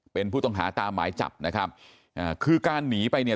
เป็นผู้ต้องหาตามหมายจับนะครับอ่าคือการหนีไปเนี่ย